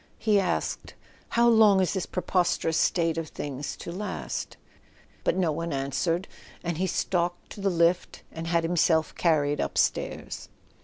He asked: "How long is this preposterous state of things to last ? "—but no one answered, and he stalked to the lift and had himself carried up stairs.